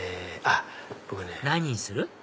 何にする？